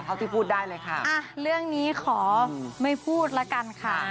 ที่พูดได้เลยค่ะเรื่องนี้ขอไม่พูดละกันค่ะ